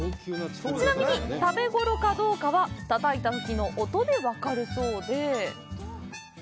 ちなみに食べごろかどうかは叩いたときの音で分かるそうで。